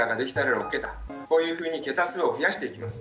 こういうふうに桁数を増やしていきます。